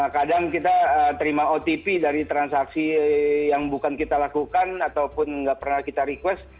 kadang kita terima otp dari transaksi yang bukan kita lakukan ataupun nggak pernah kita request